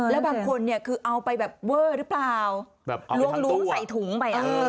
แล้วบางคนเนี่ยคือเอาไปแบบเวอร์หรือเปล่าแบบล้วงใส่ถุงไป